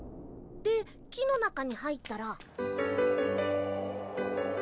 で木の中に入ったら。